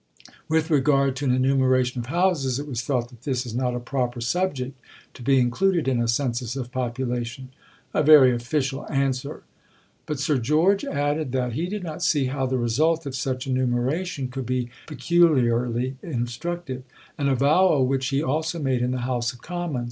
"With regard to an enumeration of houses, it was thought that this is not a proper subject to be included in a Census of population." A very official answer! But Sir George added that he did not see how the result of such enumeration could be "peculiarly instructive" an avowal which he also made in the House of Commons.